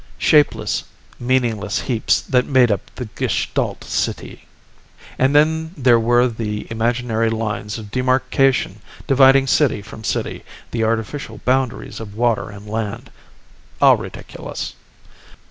Shapeless, meaningless heaps that made up the gestalt city. And then there were the imaginary lines of demarcation dividing city from city, the artificial boundaries of water and land. All ridiculous.